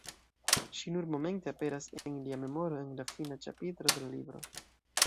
Ŝi nur momente aperas en lia memoro, en la fina ĉapitro de la libro.